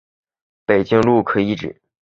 北京路可以指